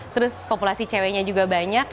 terus populasi ceweknya juga banyak